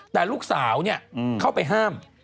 แต่ลูกสาวเข้าไปห้าม